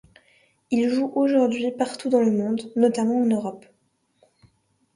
Ils jouent aujourd'hui partout dans le monde, notamment en Europe.